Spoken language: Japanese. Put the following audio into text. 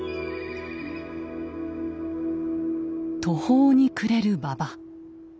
途方に暮れる馬場。